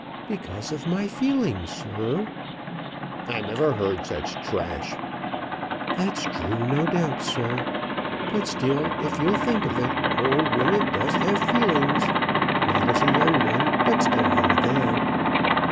"Because of my feelings, sir." "I never heard such trash." "That's true, no doubt, sir. But still, if you'll think of it, old women does have feelings. Not as a young one, but still they're there."